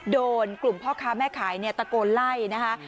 โดนกลุ่มพ่อค้าแม่ขายเนี่ยตะโกนไล่นะคะ